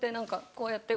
こうやって。